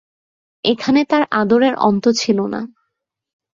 এখানে তার আদরের অন্ত ছিল না।